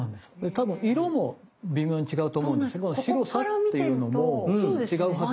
多分色も微妙に違うと思うんですけど白さっていうのも違うはずなんです。